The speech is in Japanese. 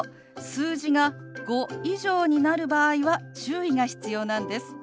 数字が５以上になる場合は注意が必要なんです。